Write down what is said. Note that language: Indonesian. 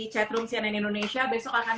chatroom cnn indonesia besok akan